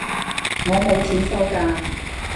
我冇收錢㗎